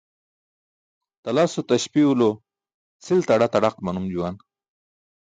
Talaso taśpi̇w lo cʰil tadaq tadaq maum juwan.